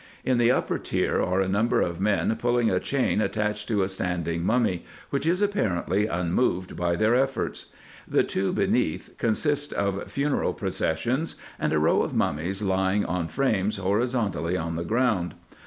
In the upper tier are a number of men pulling a chain attached to a standing mummy, which is apparently unmoved by their efforts. The two beneath consist of funeral processions, and a row of mummies lying on frames horizontally on the ground.